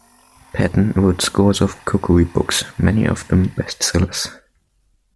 Patten wrote scores of cookery books, many of them best-sellers.